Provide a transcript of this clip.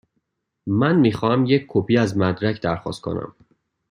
من می خواهم یک کپی از مدرک درخواست کنم.